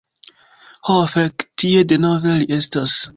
Ho fek. Tie denove li estas.